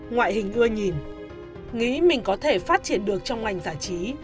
ngoại hình ưa nhìn nghĩ mình có thể phát triển được trong ngành giải trí